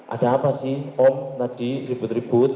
ada apa sih om tadi ribut ribut